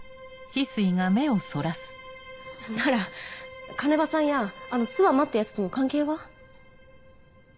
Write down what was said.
なら鐘場さんやあの諏訪間ってヤツとの関係は？